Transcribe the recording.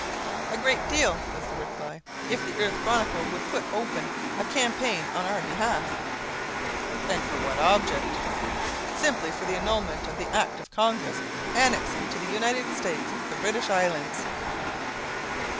"A great deal," was the reply. "If the Earth Chronicle would but open a campaign on our behalf " "And for what object?" "Simply for the annulment of the Act of Congress annexing to the United States the British islands."